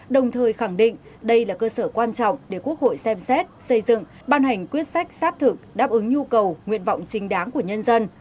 đồng thời khẳng định đây là cơ sở quan trọng để quốc hội xem xét xây dựng ban hành quyết sách sát thực đáp ứng nhu cầu nguyện vọng chính đáng của nhân dân